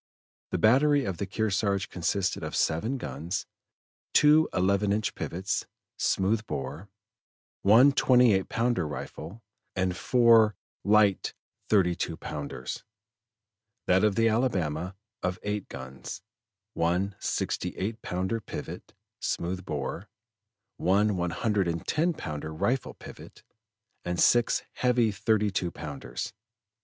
The battery of the Kearsarge consisted of seven guns, two eleven inch pivots, smooth bore, one twenty eight pounder rifle, and four light thirty two pounders; that of the Alabama of eight guns, one sixty eight pounder pivot, smooth bore, one one hundred and ten pounder rifle pivot, and six heavy thirty two pounders.